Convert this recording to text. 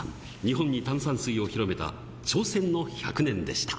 日本に炭酸水を広めた挑戦の１００年でした。